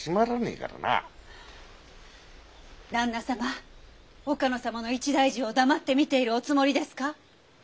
様岡野様の一大事を黙って見ているおつもりですか？